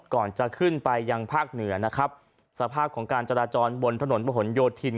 ก่อนจะขึ้นไปยังภาคเหนือนะครับสภาพของการจราจรบนถนนประหลโยธิน